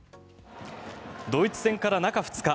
ドイツ戦から中２日。